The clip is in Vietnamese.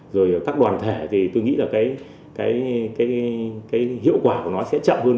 rồi các đoàn thể tôi nghĩ hiệu quả của nó sẽ chậm hơn